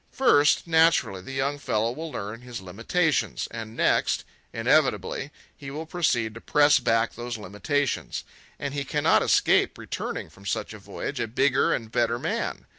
First, naturally, the young fellow will learn his limitations; and next, inevitably, he will proceed to press back those limitations. And he cannot escape returning from such a voyage a bigger and better man.